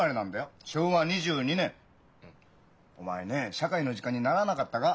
お前ね社会の時間に習わなかったか？